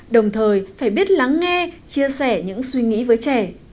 đồng thời phải biết lắng nghe chia sẻ những suy nghĩ với trẻ